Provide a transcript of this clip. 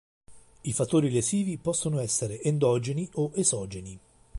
I fattori lesivi possono essere endogeni o esogeni.